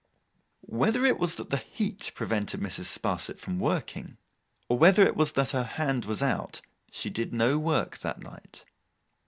Whether it was that the heat prevented Mrs. Sparsit from working, or whether it was that her hand was out, she did no work that night.